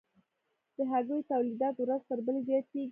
د هګیو تولیدات ورځ تر بلې زیاتیږي